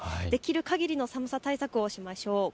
できるかぎりの寒さ対策をしましょう。